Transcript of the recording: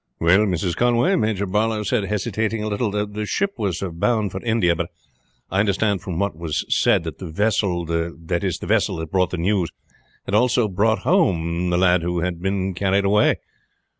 "Well, Mrs. Conway," Major Barlow said, hesitating a little, "the ship was bound for India; but I understood from what was said that the vessel, that is the vessel that brought the news, had also brought home the lad who had been carried away."